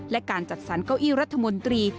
และการจัดสรรเก้าอี้รัฐมนตรี